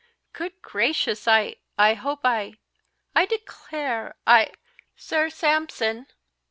"Good gracious I I hope I I declare I Sir Sampson!